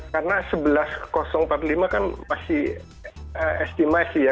karena sebelas empat puluh lima kan masih estimasi ya